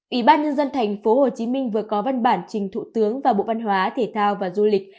ủy ban nhân dân thành phố hồ chí minh vừa có văn bản trình thủ tướng và bộ văn hóa thể thao và du lịch